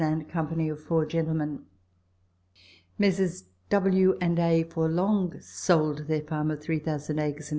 Land company of four gentlemen. Messrs. W. and A. Forlonge sold their farm of 3,000 acres in V.